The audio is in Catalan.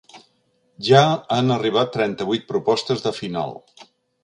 Ja han arribat trenta-vuit propostes de final.